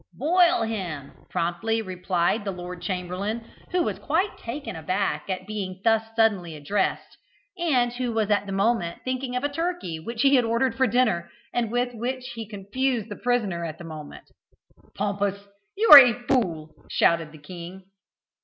"Boil him," promptly replied the lord chamberlain, who was quite taken aback at being thus suddenly addressed, and who was at the moment thinking of a turkey which he had ordered for dinner, and with which he confused the prisoner at the moment. "Pompous, you are a fool!" shouted the king.